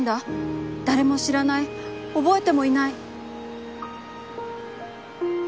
だれも知らない、おぼえてもいない！